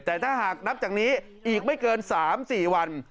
แต่ถ้าหากนับจากนี้อีกไม่เกิน๓๔วัน